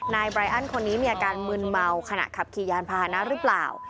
นายไบรอันคนนี้มีอาการมึนเมาขณะขับขี่ยานพาหนะหรือเปล่า